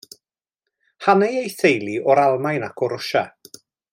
Hanai ei theulu o'r Almaen ac o Rwsia.